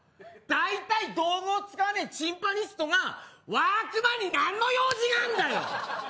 だいたい道具を使わねえチンパニストがワークマンになんの用事があんだよ！